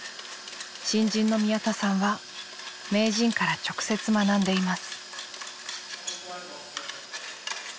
新人の宮田さんは名人から直接学んでいます。